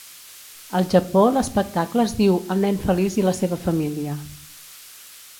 Al Japó, l'espectacle es diu "El nen feliç i la seva família".